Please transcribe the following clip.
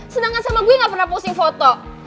sedangkan sama gue nggak pernah posting foto